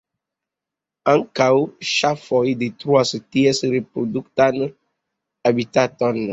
Ankaŭ ŝafoj detruas ties reproduktan habitaton.